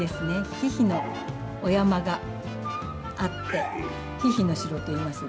ヒヒのお山があってヒヒの城といいますが。